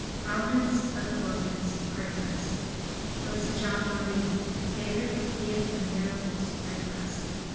providence of the orphans, pray for us. B. J. M., favored with the gift of miracles, pray for us.